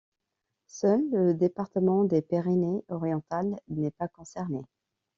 Seul le département des Pyrénées-Orientales n'est pas concerné.